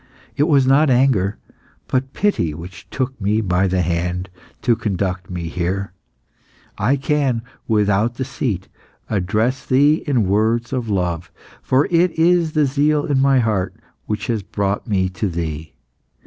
It was not anger, but pity, which took me by the hand to conduct me here. I can, without deceit, address thee in words of love, for it is the zeal in my heart which has brought me to thee.